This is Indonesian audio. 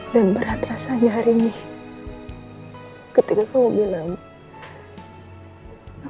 dan berat rasanya hari ini ketika kamu bilang aku nggak mau deket sama